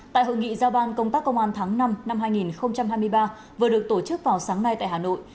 tại hội nghị giao ban công tác công an tháng năm năm hai nghìn hai mươi ba vừa được tổ chức vào sáng nay tại hà nội